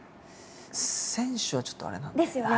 「選手」はちょっとあれなんで。ですよね。